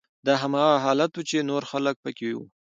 دا هماغه حالت و چې نور خلک پکې وو